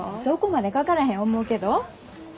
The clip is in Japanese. そこまでかからへん思うけど。